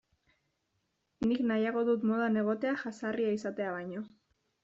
Nik nahiago dut modan egotea jazarria izatea baino.